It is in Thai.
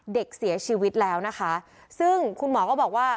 เด็กเสียชีวิตแล้วนะคะซึ่งคุณหมอก็บอกว่า